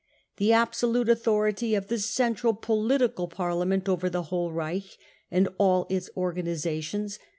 The absolute authority (If the cen » tral political parliament over the whole Reich and gll its organisations.